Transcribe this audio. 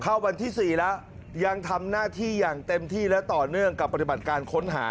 วันที่๔แล้วยังทำหน้าที่อย่างเต็มที่และต่อเนื่องกับปฏิบัติการค้นหา